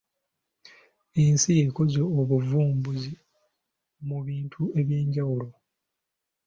Ensi ekoze obuvumbuzi mu bintu eby’enjawulo.